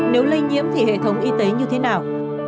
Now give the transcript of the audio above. nếu lây nhiễm thì hệ thống y tế như thế nào